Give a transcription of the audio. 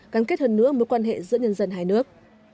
gắn kết hơn nữa mối quan hệ giữa nhân dân hai nước